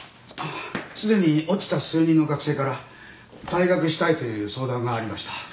すでに落ちた数人の学生から退学したいという相談がありました。